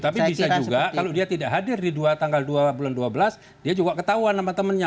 tapi bisa juga kalau dia tidak hadir di tanggal dua bulan dua belas dia juga ketahuan sama temennya